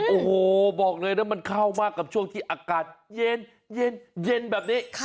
โอ้โหบอกเลยนะมันเข้ามากกับช่วงที่อากาศเย็นแบบนี้